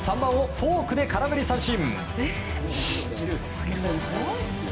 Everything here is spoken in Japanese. フォークで空振り三振！